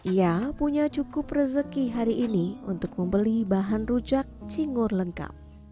ia punya cukup rezeki hari ini untuk membeli bahan rujak cingur lengkap